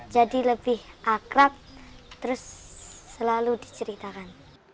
jadi lebih akrab terus selalu diceritakan